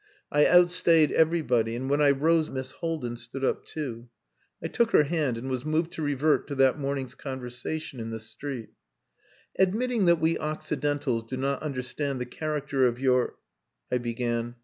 I outstayed everybody; and when I rose Miss Haldin stood up too. I took her hand and was moved to revert to that morning's conversation in the street. "Admitting that we occidentals do not understand the character of your..." I began.